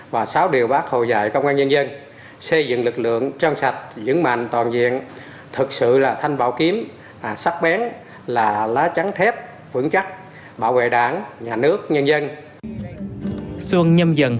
và sáu điều bác hồ dạy công an nhân dân xây dựng lực lượng trong sạch dững mạnh toàn diện thực sự là thanh bảo kiếm sắc bén là lá chắn thép vững chắc bảo vệ đảng nhà nước nhân dân